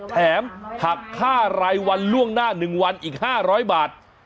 แถมหักค่ารายวันล่วงหน้า๑วันอีก๕๐๐บาท